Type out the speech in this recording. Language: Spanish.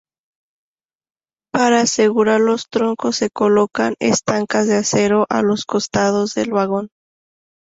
Para asegurar los troncos se colocan estacas de acero a los costados del vagón.